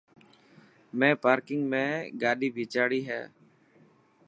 مين پارڪنگ ۾ کاڌي ڀيچاڙي هي.